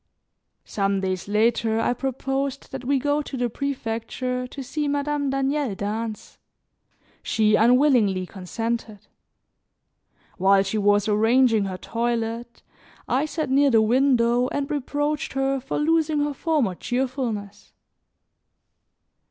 Some days later, I proposed that we go to the prefecture to see Madame Daniel dance; she unwillingly consented. While she was arranging her toilet, I sat near the window and reproached her for losing her former cheerfulness.